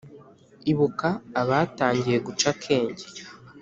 Ibuka abatangiye guca akenge